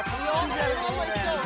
・そのまんまいっちゃおう